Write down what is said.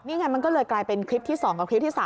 นี่ไงมันก็เลยกลายเป็นคลิปที่๒กับคลิปที่๓